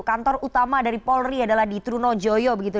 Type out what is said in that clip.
kantor utama dari polri adalah di trunojoyo begitu